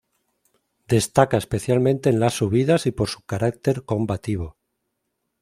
Destaca especialmente en las subidas y por su carácter combativo.